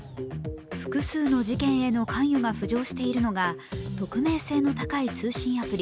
複数の事件への関与が浮上しているのが匿名性の高い通信アプリ